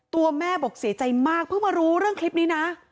ตัวแม่บอกเสียใจมากเพิ่งมารู้เรื่องคลิปนี้นะ